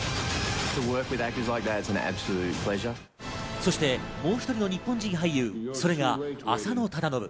そしてもう１人の日本人俳優、それが浅野忠信。